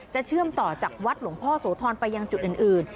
เชื่อมต่อจากวัดหลวงพ่อโสธรไปยังจุดอื่น